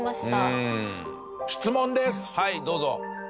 はいどうぞ。